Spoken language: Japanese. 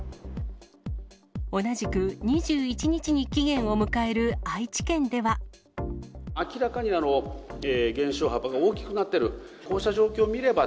同じく２１日に期限を迎える愛知明らかに減少幅が大きくなってる。